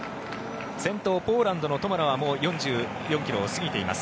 先頭、ポーランドのトマラはもう４４ｋｍを過ぎています。